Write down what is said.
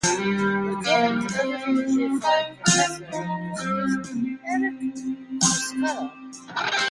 The current Irving G. Fine Professor of Music is Eric Chasalow.